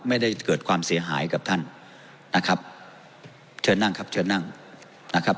ไม่ได้เกิดความเสียหายกับท่านนะครับเชิญนั่งครับเชิญนั่งนะครับ